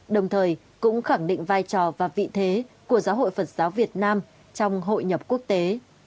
đồng thời cũng khẳng định vai trò và vị thế của giáo hội phật giáo việt nam trong hội nhập quốc tế